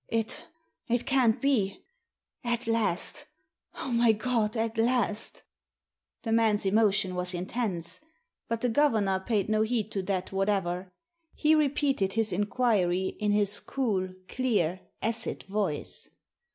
« It_it can't be ! At last ! oh, my God, at last !" The man's emotion was intense. But the governor paid no heed to that whatever. He repeated his inquiry in his cool, clear, acid voice.